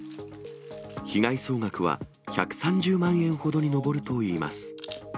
被害総額は１３０万円ほどに上るといいます。